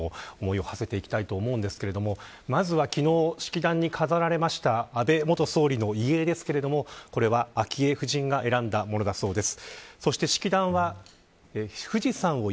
ここからは昭恵夫人の思いにも思いをはせていきたいと思うんですがまずは昨日式壇に飾られました安倍元総理の遺影ですけれどもこれは昭恵夫人が選んだものだそうです。